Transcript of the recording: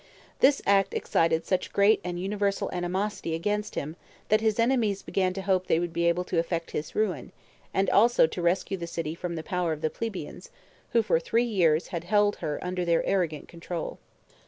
This act excited such great and universal animosity against him, that his enemies began to hope they would be able to effect his ruin, and also to rescue the city from the power of the plebeians, who for three years had held her under their arrogant control.